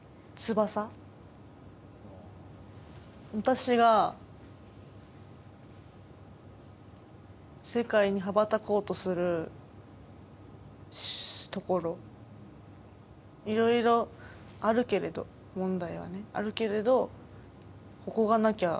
私が世界に羽ばたこうとするところ色々あるけれど問題はねあるけれどここがなきゃ